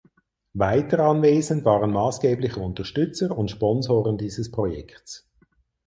Weiter anwesend waren maßgebliche Unterstützer und Sponsoren dieses Projekts.